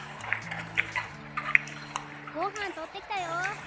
ごはん取ってきたよ。